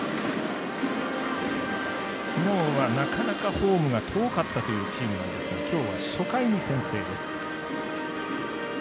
昨日はなかなかホームが遠かったチームなんですが今日は初回に先制です。